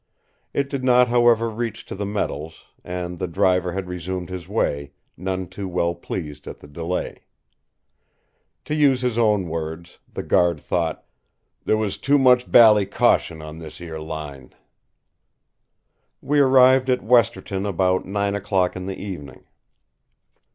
It did not however reach to the metals; and the driver had resumed his way, none too well pleased at the delay. To use his own words, the guard thought "there was too much bally caution on this 'ere line!'" We arrived at Westerton about nine o'clock in the evening.